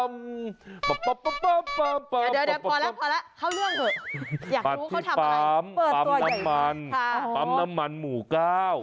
อยากรู้เขาทำอะไรเปิดตัวใหญ่ก็ได้ปั้มปั้มน้ำมันปั้มน้ำมันหมูก้าว